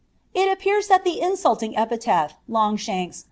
Ji appears that the insulting epithet, Longshanks.